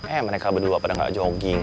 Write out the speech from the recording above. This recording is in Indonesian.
eh mereka berdua pada gak jogging